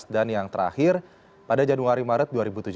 dan yang terakhir pada januari maret dua ribu tujuh belas